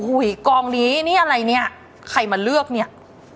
กองนี้นี่อะไรเนี่ยใครมาเลือกเนี่ย